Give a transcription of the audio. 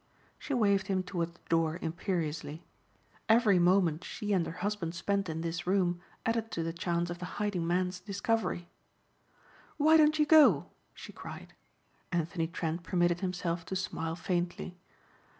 She waved him toward the door imperiously. Every moment she and her husband spent in this room added to the chance of the hiding man's discovery. "Why don't you go?" she cried. Anthony Trent permitted himself to smile faintly.